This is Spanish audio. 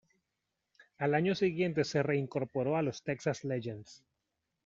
Al año siguiente se reincorporó a los Texas Legends.